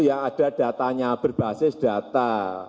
ya ada datanya berbasis data